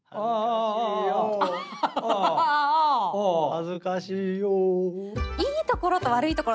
恥ずかしいよ。